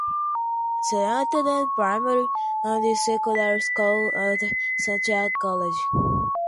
She attended primary and secondary school at Santiago College.